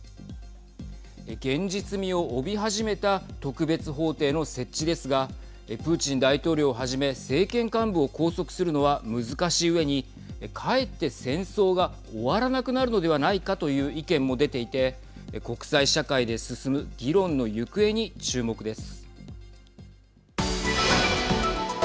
現実味を帯び始めた特別法廷の設置ですがプーチン大統領をはじめ政権幹部を拘束するのは難しいうえにかえって戦争が終わらなくなるのではないかという意見も出ていて国際社会で進む議論の行方に注目です。